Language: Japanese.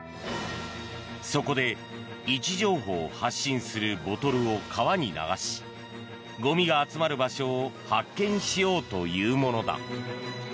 そこで位置情報を発信するボトルを川に流しゴミが集まる場所を発見しようというものだ。